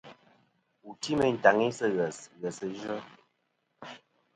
Wù ti meyn tàŋi sɨ̂ ghès, ghèsɨ yvɨ.